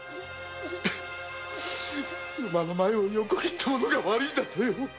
馬の前を横切った者が悪いんだとよ